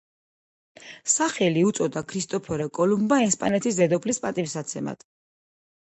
სახელი უწოდა ქრისტეფორე კოლუმბმა ესპანეთის დედოფლის პატივსაცემად.